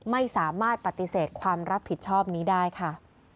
ไม่สามารถปฏิเสธความรับผิดชอบนี้ได้ค่ะ